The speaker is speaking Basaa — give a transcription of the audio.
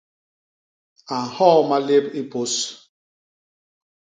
A nhoo malép i pôs.